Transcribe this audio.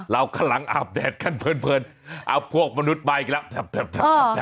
เรากำลังอาบแดดกันเผินเอาพวกมนุษย์มาอีกแล้ว